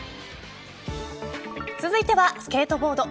続いてはスケートボード。